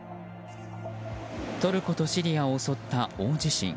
トルコとシリアを襲った大地震。